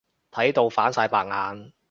睇到反晒白眼。